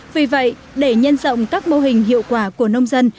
vì vậy để nhân rộng các mô hình hiệu quả của nông dân